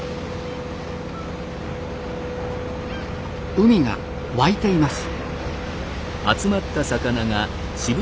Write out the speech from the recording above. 海が沸いています。